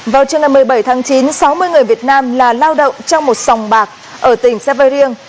vào trưa ngày một mươi bảy tháng chín sáu mươi người việt nam là lao động trong một sòng bạc ở tỉnh sa vây riêng